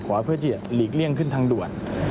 คนที่หลีกเหรื่องขึ้นทางด่วน